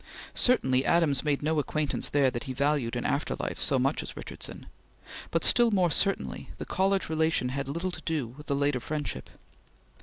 Certainly Adams made no acquaintance there that he valued in after life so much as Richardson, but still more certainly the college relation had little to do with the later friendship.